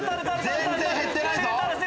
全然減ってないぞ！